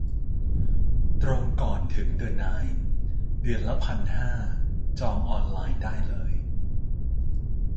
ตรงก่อนถึงเดอะไนน์ เดือนละพันห้า จองออนไลน์ได้เลย